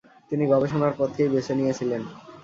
তিনি গবেষণার পথকেই বেছে নিয়েছিলেন।